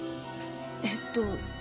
えっと。